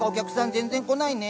全然来ないね。